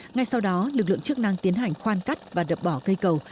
ngay sau đó lực lượng chức năng tiến hành khoan cắt và đập bỏ cây cầu